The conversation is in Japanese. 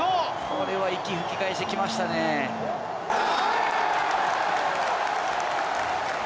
これは、息吹き返してきまし取られたか。